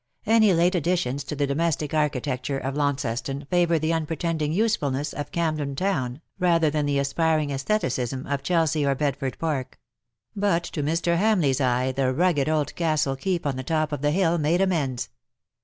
Any late additions to the domestic architecture of Launceston favour the unpretending usefulness of Camden Town rather than the aspiring sestheticism of Chelsea or Bedford Park ; 42 BUT THEN CAME ONE, but to Mr. Hamleigh^s eye the rugged old castle keep on the top of the hill made amends.